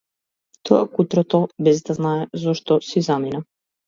Тоа кутрото, без да знае зошто, си замина.